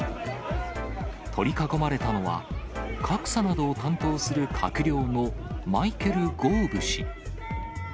取り囲まれたのは、格差などを担当する閣僚のマイケル・ゴーブ氏。